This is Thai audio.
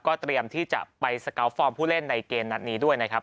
เตรียมที่จะไปสกาลฟอร์มผู้เล่นในเกมนัดนี้ด้วยนะครับ